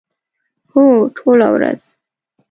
هو، ټوله ورځ